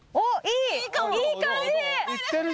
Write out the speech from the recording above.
いい感じ！